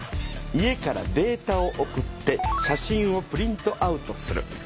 家からデータを送って写真をプリントアウトする。